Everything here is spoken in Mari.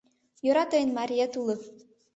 Йӧра тыйын мариет уло.